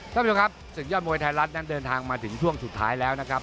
ท่านผู้ชมครับศึกยอดมวยไทยรัฐนั้นเดินทางมาถึงช่วงสุดท้ายแล้วนะครับ